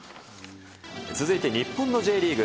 続いて日本のＪリーグ。